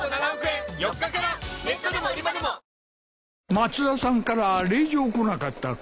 松田さんから礼状来なかったか？